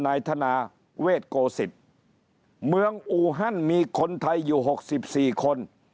นายธนาเวทโกศิษฐ์เมืองอูฮันมีคนไทยอยู่๖๔คน